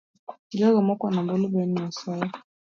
Jogo ma kwano ombulu bende imiyo asoya